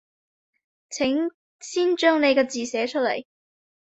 請先將你嘅字寫出來